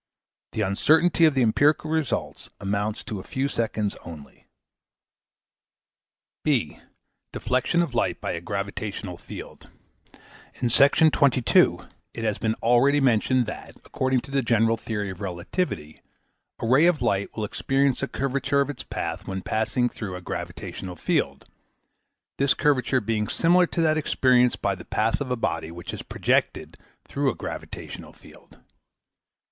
The uncertainty of the empirical result amounts to a few seconds only. (b) Deflection of Light by a Gravitational Field In Section 22 it has been already mentioned that according to the general theory of relativity, a ray of light will experience a curvature of its path when passing through a gravitational field, this curvature being similar to that experienced by the path of a body which is projected through a gravitational field.